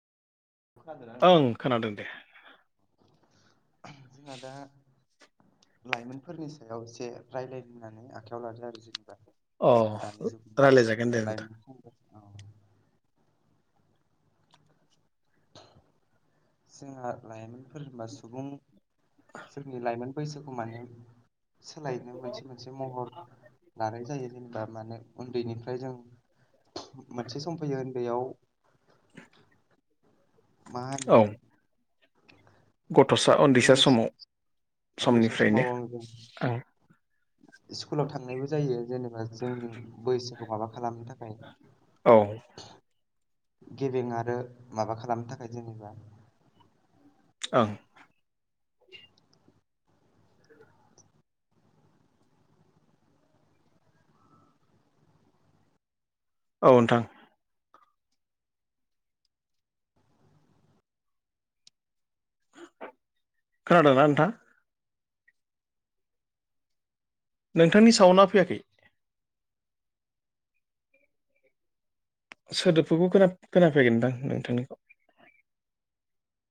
खोनादोंना नों ओं खोनादों दे जोंहा दा लाइमोनफोरनि सायाव एसे रायलायनानै आखायाव लादों आरो जोंनि अ दानि जुग रायलायजागोन दे नोंथां लाइमोन औ जोंहा लाइमोनफोरबा सुबुं सोरनि लाइमोन बैसोखौ माने सोलायनो मोनसे मोनसे महर लानाय जायो जेनेबा माने उन्दैनिफ्राय जों मोनसे सम फैयो उन्दैयाव मा होनो औ गथ'सा उन्दैसा जों समाव उन्दैसा समनिफ्रायनो समाव आङो जों आं स्कुलाव थांनायबो जायो जेनेबा जोंनि बैसोखौ माबा खालामनो थाखाय औ गेबें आरो माबा खालामनो थाखाय जेनेबा ओं औ नोंथां खोनादों ना नोंथा? नोंथांनि साव'ना फैयाखै सोदोबफोरखौबो खोना खोनाफैगोनदां नोंथांनिखौ